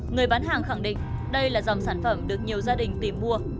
người bán hàng khẳng định đây là dòng sản phẩm được nhiều gia đình tìm mua